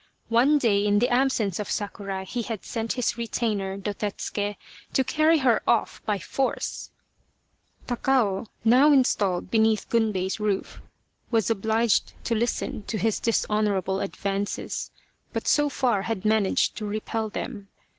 One day in the absence of Sakurai he had sent his retainer, Dotetsuke, to carry her off by force. 43 The Quest of the Sword Takao, now installed beneath Gunbei's roof, was obliged to listen to his dishonourable advances, but so far had managed to repel them.